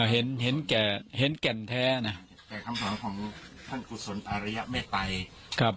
เห็นเห็นแก่เห็นแก่นแท้นะแต่คำสอนของท่านกุศลอาริยะไม่ไปครับ